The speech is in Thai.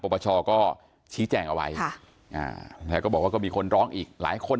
ปปชก็ชี้แจงเอาไว้แล้วก็บอกว่าก็มีคนร้องอีกหลายคน